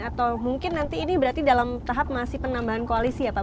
atau mungkin nanti ini berarti dalam tahap masih penambahan koalisi ya pak